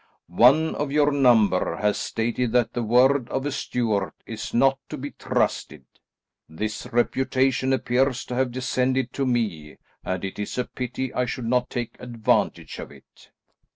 One of your number has stated that the word of a Stuart is not to be trusted. This reputation appears to have descended to me, and it is a pity I should not take advantage of it."